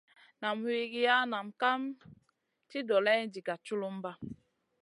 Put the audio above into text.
Nam wigiya nam kam ci doleyna diga culumba.